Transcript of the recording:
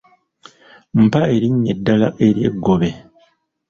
Mpa erinnya eddala ery’eggobe.